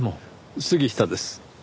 杉下です。